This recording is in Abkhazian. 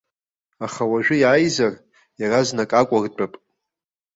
Аха уажәы иааизар, иаразнак акәыртәып.